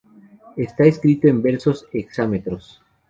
Está escrito en versos hexámetros.